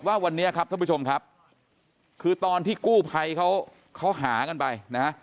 ว่าวันนี้ครับท่านผู้ชมครับคือตอนที่กู้ภัยเขาหากันไปนะ